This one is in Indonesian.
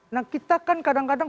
nah kita kan kadang kadang